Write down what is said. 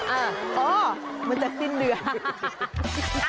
อ้าวเหมือนจะสิ้นเดือด